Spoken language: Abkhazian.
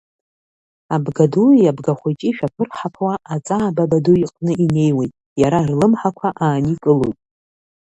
Абгадуи Абгахәыҷи шәаԥырҳаԥуа Аҵаа Бабаду иҟны инеиуеит, иара рлымҳақәа ааникылоит.